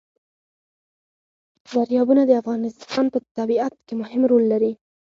دریابونه د افغانستان په طبیعت کې مهم رول لري.